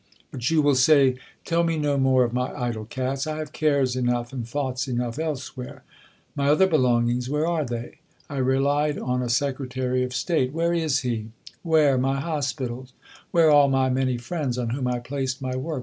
] But you will say, "Tell me no more of my idle cats; I have cares enough, and thoughts enough elsewhere. My other belongings, where are they? I relied on a Secretary of State, where is he? where, my Hospitals? where all my many friends on whom I placed my work?